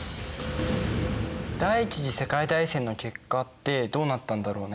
第一次世界大戦の結果ってどうなったんだろうね？